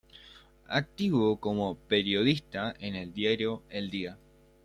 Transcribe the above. Activo como periodista en el diario El Día.